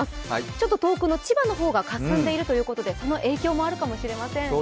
ちょっと遠くの千葉の方がかすんでいるということで、その影響もあるかもしれません。